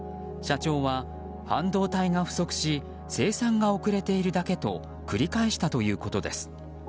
社長は半導体が不足し生産が遅れているだけと繰り返したということです。